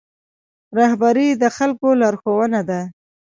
رهبري د خلکو لارښوونه ده